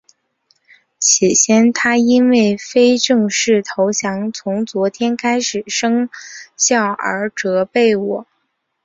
起先他因为非正式投降从昨天开始生效而责备我。